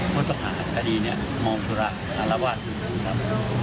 พวกต่างหากคดีเนี่ยมองตัวละหารว่าถึงคุณครับ